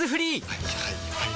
はいはいはいはい。